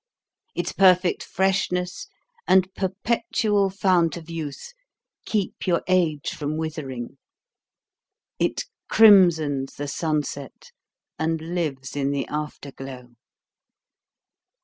Its perfect freshness and perpetual fount of youth keep your age from withering. It crimsons the sunset and lives in the afterglow.